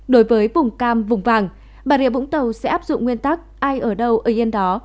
đối với vùng cam vùng vàng bà rịa vũng tàu sẽ áp dụng nguyên tắc ai ở đâu ở yên đó